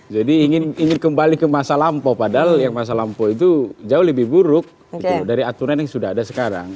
jadi ingin kembali ke masa lampau padahal yang masa lampau itu jauh lebih buruk dari aturan yang sudah ada sekarang